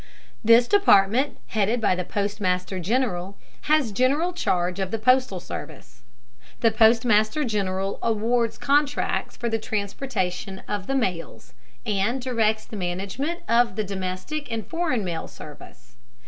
This Department, headed by the Postmaster General, has general charge of the postal service. The Postmaster General awards contracts for the transportation of the mails, and directs the management of the domestic and foreign mail service.